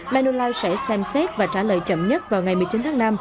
manulife sẽ xem xét và trả lời chậm nhất vào ngày một mươi chín tháng năm